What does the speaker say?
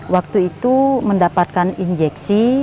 waktu itu mendapatkan injeksi